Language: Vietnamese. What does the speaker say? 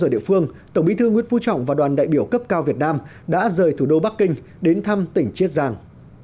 đến thăm tỉnh chiết giang